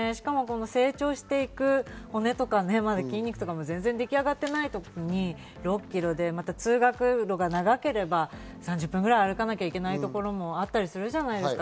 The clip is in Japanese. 成長していく骨とか筋肉もまだ全然出来上がっていないときに６ｋｇで通学路が長ければ３０分ぐらい歩かなきゃいけないところもあったりするじゃないですか。